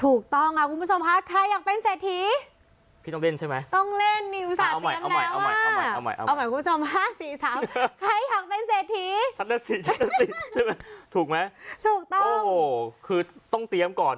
ถูกต้องคุณผู้ชมคะใครอยากเป็นเศรษฐี